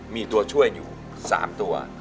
มีตัวช่วยอยู่๓ตัว